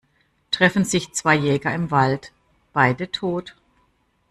Treffen sich zwei Jäger im Wald - beide tot.